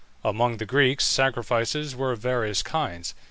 Among the Greeks, sacrifices were of various kinds.